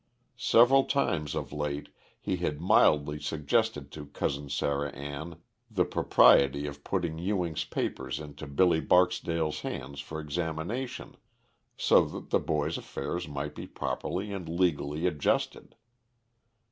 Several times of late he had mildly suggested to Cousin Sarah Ann the propriety of putting Ewing's papers into Billy Barksdale's hands for examination, so that the boy's affairs might be properly and legally adjusted.